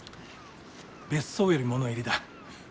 別荘より物入りだ。